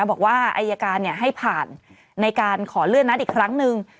บอกว่าอายการให้ผ่านในการขอเลื่อนนัดอีกครั้งหนึ่ง